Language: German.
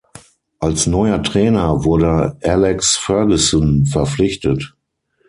Als neuer Trainer wurde Alex Ferguson verpflichtet.